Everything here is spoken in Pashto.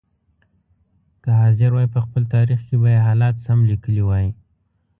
که حاضر وای په خپل تاریخ کې به یې حالات سم لیکلي وای.